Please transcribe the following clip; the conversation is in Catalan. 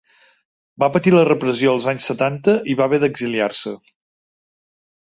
Va patir la repressió als anys setanta i va haver d’exiliar-se.